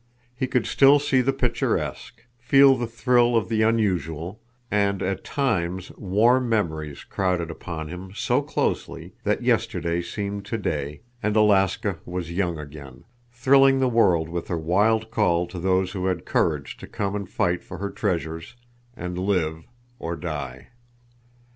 He could still see the picturesque, feel the thrill of the unusual, and—at times—warm memories crowded upon him so closely that yesterday seemed today, and Alaska was young again, thrilling the world with her wild call to those who had courage to come and fight for her treasures, and live—or die.